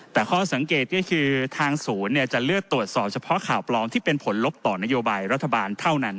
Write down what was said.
แต่ข้อสังเกตก็คือทางศูนย์จะเลือกตรวจสอบเฉพาะข่าวปลอมที่เป็นผลลบต่อนโยบายรัฐบาลเท่านั้น